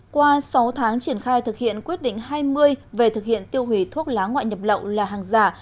qua sáu tháng triển khai thực hiện quyết định hai mươi về thực hiện tiêu hủy thuốc lá ngoại nhập lậu là hàng giả